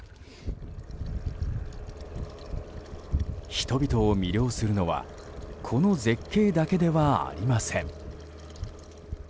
人々を魅了するのはこの絶景だけではありません。